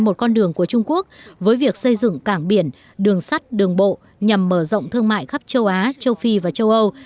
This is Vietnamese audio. một con đường của trung quốc với việc xây dựng cảng biển đường sắt đường bộ nhằm mở rộng thương mại khắp châu á châu phi và châu âu